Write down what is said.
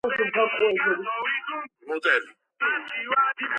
ეიმსი გაიზარდა ნიუ იორკში, დაამთავრა ბრონქსის სამეცნიერო სკოლა.